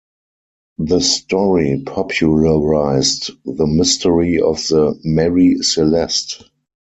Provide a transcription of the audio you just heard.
The story popularised the mystery of the "Mary Celeste".